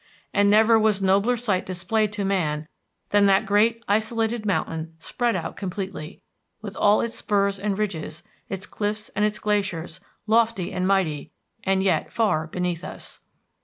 And never was nobler sight displayed to man than that great isolated mountain spread out completely, with all its spurs and ridges, its cliffs and its glaciers, lofty and mighty, and yet far beneath us."